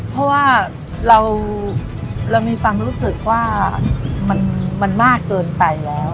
เพราะว่าเรามีความรู้สึกว่ามันมากเกินไปแล้ว